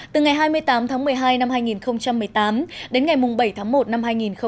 từ ngày hai mươi tám tháng một mươi hai năm hai nghìn một mươi tám đến ngày bảy tháng một năm hai nghìn một mươi chín